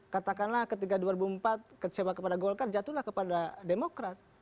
katakanlah ketika dua ribu empat kecewa kepada golkar jatuhlah kepada demokrat